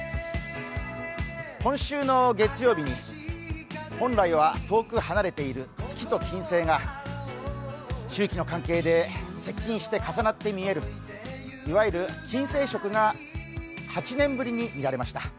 今週の月曜日に本来は遠く離れている月と金星が周期の関係で接近して重なって見えるいわゆる金星食が８年ぶりに見られました。